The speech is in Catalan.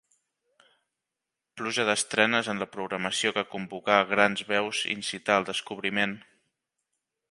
Pluja d'estrenes en la programació que convocà grans veus i incità al descobriment.